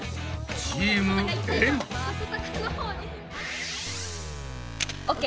チームエん！ＯＫ！